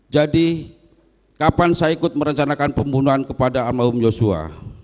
jadi kapan saya ikut merencanakan pembunuhan kepada al mahum yosua